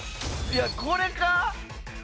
いやこれか？